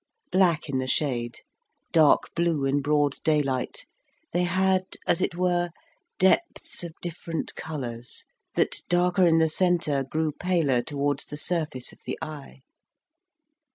Black in the shade, dark blue in broad daylight, they had, as it were, depths of different colours, that, darker in the centre, grew paler towards the surface of the eye.